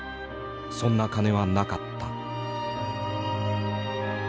そんな金はなかった。